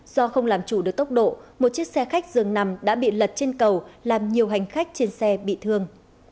do không làm chủ được tốc độ một chiếc xe khách dường nằm đã bị lật trên cầu làm nhiều hành khách trên xe bị thương